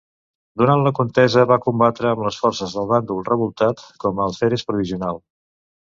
Durant la contesa va combatre amb les forces del Bàndol revoltat com a alferes provisional.